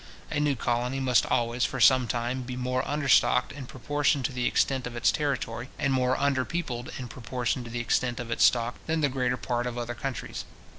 A new colony must always, for some time, be more understocked in proportion to the extent of its territory, and more underpeopled in proportion to the extent of its stock, than the greater part of other countries.